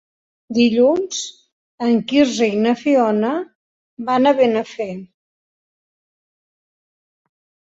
Dilluns en Quirze i na Fiona van a Benafer.